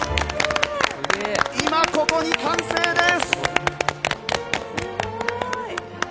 今、ここに完成です。